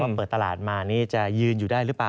เปิดตลาดมานี่จะยืนอยู่ได้หรือเปล่า